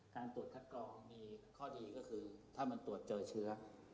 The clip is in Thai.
การตรวจคัดกรองมีข้อดีก็คือถ้ามันตรวจเจอเชื้อ